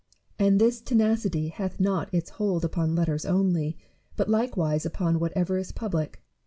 And this tenacity hath not its hold upon letters only, but likewise upon whatever is public.